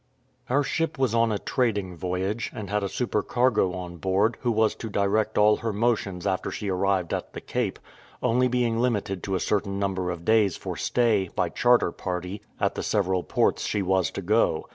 Our ship was on a trading voyage, and had a supercargo on board, who was to direct all her motions after she arrived at the Cape, only being limited to a certain number of days for stay, by charter party, at the several ports she was to go to.